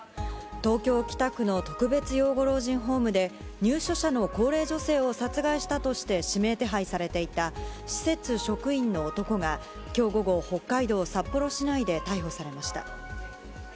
東京・北区の特別養護老人ホームで入所者の高齢女性を殺害したとして、指名手配されていた施設職員の男が、きょう午後、北海道札幌市内で逮捕されました。